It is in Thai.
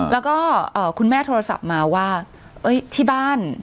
แล้วก็คุณแม่โทรศัพท์มาว่าที่บ้าน